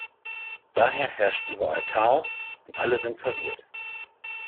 Daher herrscht überall Chaos, und alle sind verwirrt.